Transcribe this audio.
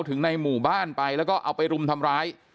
ถึงในหมู่บ้านไปแล้วก็เอาไปรุมทำร้าย